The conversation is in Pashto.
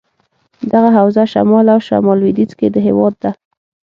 دغه حوزه شمال او شمال لودیځ کې دهیواد ده.